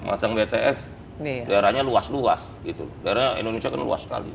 masang dts daerahnya luas luas gitu loh daerahnya indonesia kan luas sekali